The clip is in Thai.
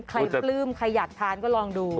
ปลื้มใครอยากทานก็ลองดู